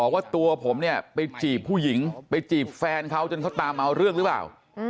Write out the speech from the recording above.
ว่าตัวผมเนี่ยไปจีบผู้หญิงไปจีบแฟนเขาจนเขาตามเอาเรื่องหรือเปล่า